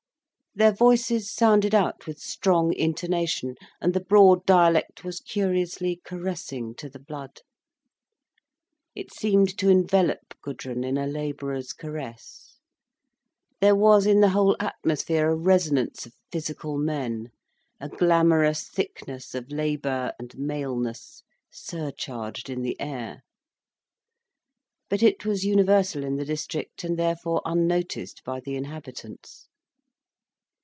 Their voices sounded out with strong intonation, and the broad dialect was curiously caressing to the blood. It seemed to envelop Gudrun in a labourer's caress, there was in the whole atmosphere a resonance of physical men, a glamorous thickness of labour and maleness, surcharged in the air. But it was universal in the district, and therefore unnoticed by the inhabitants.